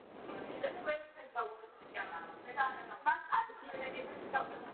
იგი დელავერის უნივერსიტეტის გადამდგარი პროფესორია.